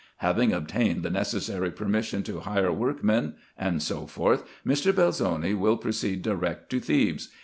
" Having obtained the necessary permission to hire workmen, &c, Mr. Belzoni will proceed direct to Thebes.